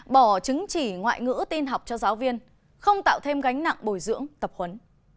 bỏ chứng chỉ ngoại ngữ tin học cho giáo viên không tạo thêm gánh nặng bồi dưỡng tập huấn